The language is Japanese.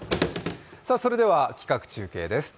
それでは企画中継です。